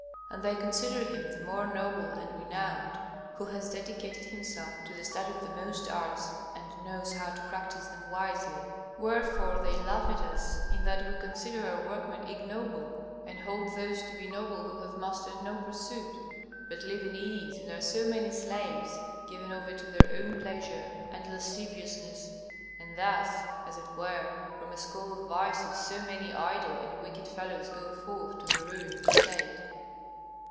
And they consider him the more noble and renowned who has dedicated himself to the study of the most arts and knows how to practise them wisely. Wherefore they laugh at us in that we consider our workmen ignoble, and hold those to be noble who have mastered no pursuit, but live in ease and are so many slaves given over to their own pleasure and lasciviousness; and thus, as it were, from a school of vices so many idle and wicked fellows go forth for the ruin of the State.